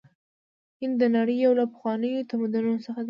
هند د نړۍ یو له پخوانیو تمدنونو څخه دی.